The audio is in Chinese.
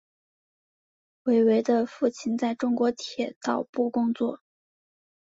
韦唯的父亲在中国铁道部工作。